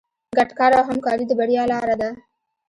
ګډ کار او همکاري د بریا لاره ده.